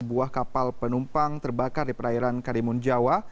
sebuah kapal penumpang terbakar di perairan karimun jawa